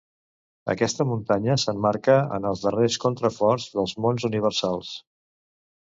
Aquesta muntanya s'emmarca en els darrers contraforts dels Monts Universals.